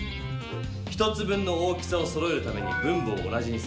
１つ分の大きさをそろえるために分母を同じにする。